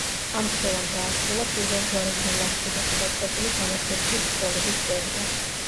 ამ ბრძოლამ დაასრულა პირველ ჯვაროსნულ ლაშქრობაში დაწყებული გამარჯვებული ბრძოლების სერია.